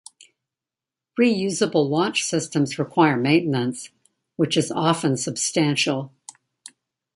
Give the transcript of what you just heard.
Reusable launch systems require maintenance, which is often substantial.